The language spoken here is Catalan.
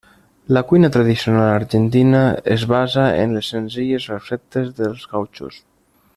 La cuina tradicional argentina es basa en les senzilles receptes dels gautxos.